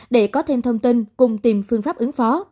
để có thêm thông tin